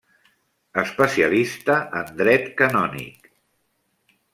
Especialista en dret canònic.